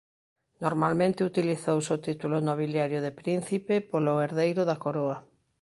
Normalmente utilizouse o título nobiliario de Príncipe polo herdeiro da Coroa.